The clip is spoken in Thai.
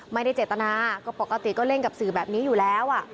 ไม่ได้เจตนาก็ปกติก็เล่นกับสื่อแบบนี้อยู่แล้ว